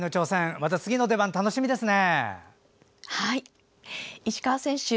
また、次の出番楽しみですね。